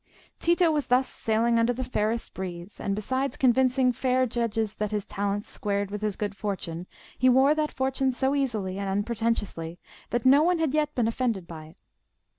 Tito was thus sailing under the fairest breeze, and besides convincing fair judges that his talents squared with his good fortune, he wore that fortune so easily and unpretentiously that no one had yet been offended by it.